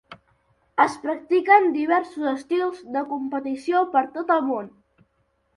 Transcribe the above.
Es practiquen diversos estils de competició per tot el món.